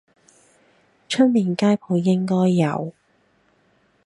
出面街舖應該有